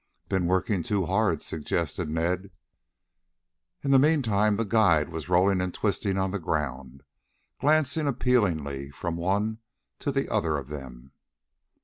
"Been working too hard," suggested Ned. In the meantime the guide was rolling and twisting on the ground, glancing appealingly from one to the other of them.